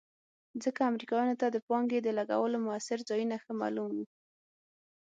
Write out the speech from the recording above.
ځکه امریکایانو ته د پانګې د لګولو مؤثر ځایونه ښه معلوم وو.